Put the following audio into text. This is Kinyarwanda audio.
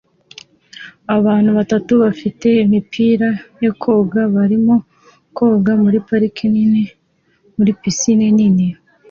Abantu batatu bafite imipira yo koga barimo koga muri parike nini muri pisine nini